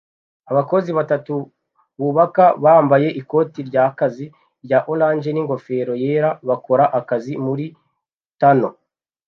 Abakozi batatu bubaka bambaye ikoti ryakazi rya orange n'ingofero yera bakora akazi muri tunnel